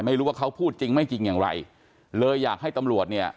ไม่รู้ว่าเขาพูดจริงไม่จริงอย่างไรเลยอยากให้ตำรวจเนี่ย